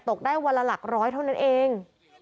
ตกได้วันละหลักร้อยเท่านั้นเอง